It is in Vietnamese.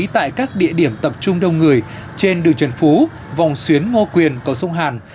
tại các địa điểm tập trung đông người trên đường trần phú vòng xuyến ngô quyền cầu sông hàn